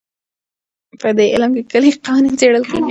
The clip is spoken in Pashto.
په دې علم کې کلي قوانین څېړل کېږي.